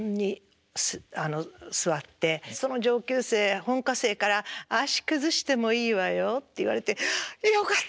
その上級生本科生から「足崩してもいいわよ」って言われて「よかった！」って。